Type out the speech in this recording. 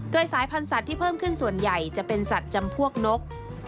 โดยสายพันธุ์สัตว์ที่เพิ่มขึ้นส่วนใหญ่จะเป็นสัตว์จำพวกนก